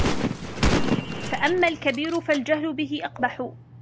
فَأَمَّا الْكَبِيرُ فَالْجَهْلُ بِهِ أَقْبَحُ